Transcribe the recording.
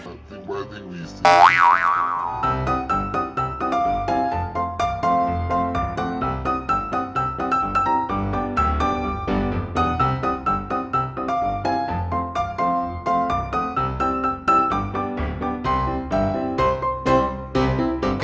ติ๊กบ้านทีวีเสียไง